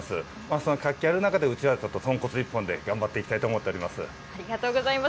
その活気ある中で、うちは豚骨一本で頑張っていきたいと思っておありがとうございます。